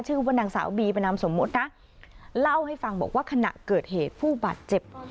ชื่อว่านางสาวบีเป็นนามสมมุตินะเล่าให้ฟังบอกว่าขณะเกิดเหตุผู้บาดเจ็บ